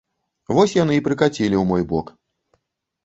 Вось яны і прыкацілі ў мой бок.